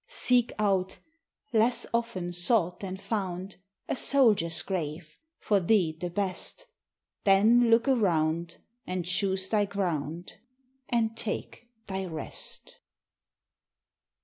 Seek out less often sought than found A soldier's grave, for thee the best; Then look around, and choose thy ground, And take thy rest.